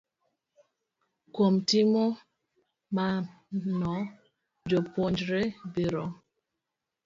Kuom timo kamano, jopuonjre biro